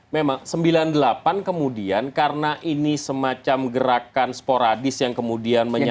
memang seribu sembilan ratus sembilan puluh delapan kemudian karena ini semacam gerakan sporadis yang kemudian menyatu